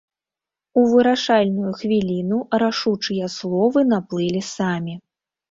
У вырашальную хвіліну рашучыя словы наплылі самі.